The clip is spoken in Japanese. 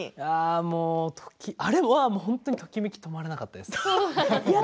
あれは本当にときめきが止まらなかったです。